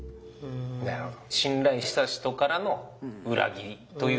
あなるほど。